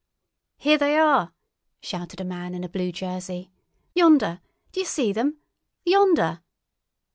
"Here they are!" shouted a man in a blue jersey. "Yonder! D'yer see them? Yonder!"